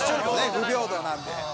不平等なんで。